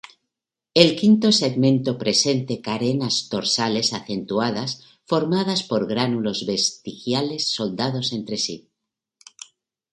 El V segmento presente carenas dorsales acentuadas formadas por gránulos vestigiales soldados entre sí.